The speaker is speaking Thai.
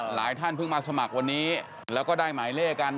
ท่านเพิ่งมาสมัครวันนี้แล้วก็ได้หมายเลขกัน